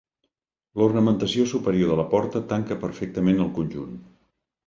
L'ornamentació superior de la porta tanca perfectament el conjunt.